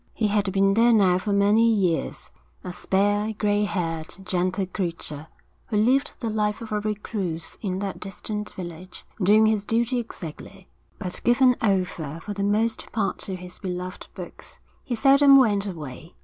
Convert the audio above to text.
He had been there now for many years, a spare, grey haired, gentle creature, who lived the life of a recluse in that distant village, doing his duty exactly, but given over for the most part to his beloved books. He seldom went away.